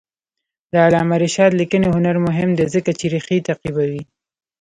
د علامه رشاد لیکنی هنر مهم دی ځکه چې ریښې تعقیبوي.